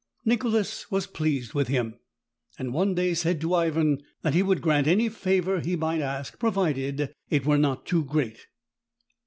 Nicholas was pleased with him, and one day said to Ivan that he would grant any favor he might ask, provided it were not too great.